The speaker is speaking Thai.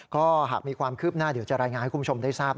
ก็หากมีความคืบหน้าเดี๋ยวจะรายงานให้คุณผู้ชมได้ทราบ